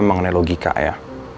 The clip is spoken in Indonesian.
mengenai logika ya